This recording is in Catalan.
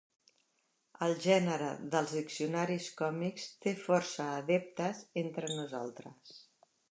El gènere dels diccionaris còmics té força adeptes entre nosaltres.